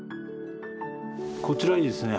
こちらにですね